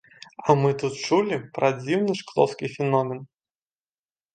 А мы тут чулі пра дзіўны шклоўскі феномен.